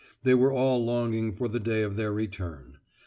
They were all longing for the day of their return.